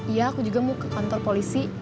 iya aku juga mau ke kantor polisi